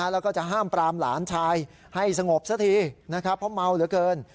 แล้วก็จะห้ามปรามหลานชายให้สงบซะทีนะครับเพราะเมาเหลือเกิน